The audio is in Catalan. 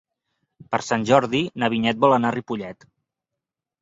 Per Sant Jordi na Vinyet vol anar a Ripollet.